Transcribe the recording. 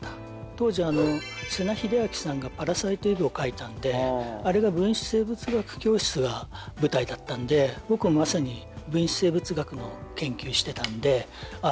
当時瀬名秀明さんが『パラサイト・イヴ』を書いたんであれが分子生物学教室が舞台だったんで僕もまさに分子生物学の研究してたんでああ